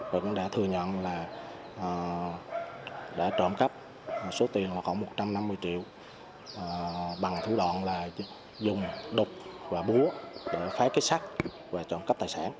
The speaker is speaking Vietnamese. và cũng đã thừa nhận là đã trộn cắp số tiền khoảng một trăm năm mươi triệu bằng thủ đoạn là dùng đục và búa